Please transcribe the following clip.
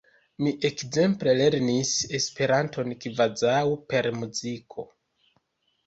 Mi ekzemple lernis Esperanton kvazaŭ per muziko.